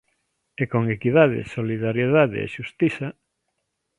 E con equidade, solidariedade e xustiza...,